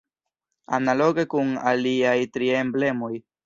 Analoge kun la aliaj tri emblemoj.